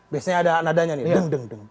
biasanya ada nadanya nih